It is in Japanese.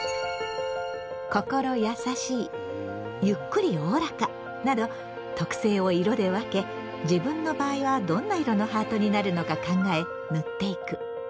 「心やさしい」「ゆっくりおおらか」など特性を色で分け自分の場合はどんな色のハートになるのか考え塗っていく。